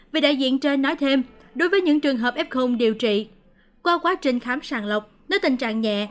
vì đại diện trên nói thêm đối với những trường hợp f điều trị qua quá trình khám sàng lọc nếu tình trạng nhẹ